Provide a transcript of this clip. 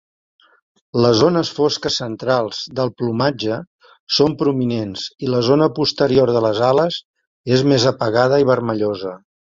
Les zones fosques centrals del plomatge són prominents i la zona posterior de les ales és més apagada i vermellosa.